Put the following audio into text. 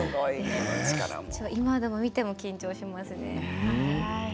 今でも、見ても緊張します。